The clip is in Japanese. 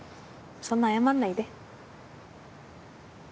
そんなに謝らないで。